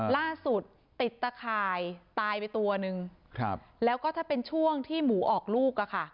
ติดตะข่ายตายไปตัวนึงแล้วก็ถ้าเป็นช่วงที่หมูออกลูกอ่ะค่ะ